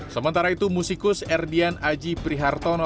sementara itu musikus erdian aji prihartono